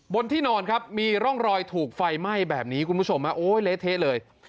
บนที่นอนครับมีร่องรอยถูกไฟไหม้แบบนี้คุณผู้ชมโอ้ยเละเทะเลย